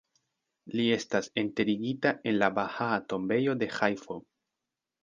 Li estas enterigita en la Bahaa Tombejo de Ĥajfo.